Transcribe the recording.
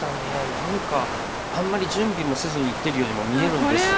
何かあんまり準備もせずにいってるようにも見えるんですが。